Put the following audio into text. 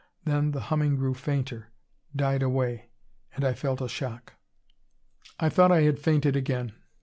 Then the humming grew fainter; died away; and I felt a shock. "I thought I had fainted again.